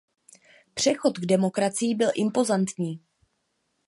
Přechod k demokracii byl impozantní.